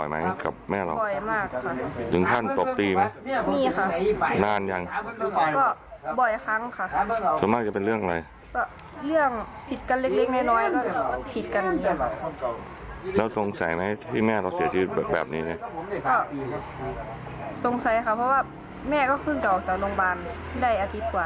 แม่ก็เพิ่งกับออกจากโรงพยาบาลไม่ได้อาทิตย์กว่านั้นเลย